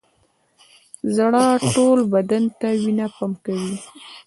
زړه ټول بدن ته وینه پمپ کوي